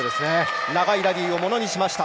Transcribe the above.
長いラリーをものにしました。